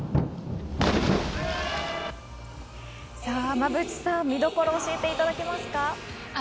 馬淵さん、見どころを教えていただけますか？